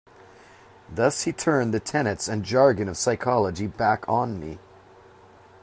Thus he turned the tenets and jargon of psychology back on me.